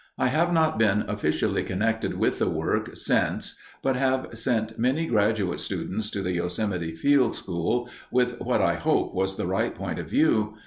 I have not been officially connected with the work since but have sent many graduate students to the Yosemite Field School with what I hope was the right point of view.